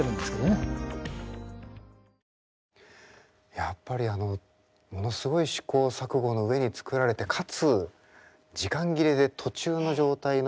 やっぱりあのものすごい試行錯誤の上に作られてかつ時間切れで途中の状態のような感じで発売したと。